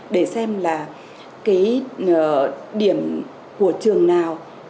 để xem là cái điểm của trường nào